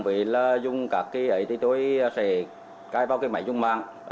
với là dung các cái ấy thì tôi sẽ cai vào cái máy dung mạng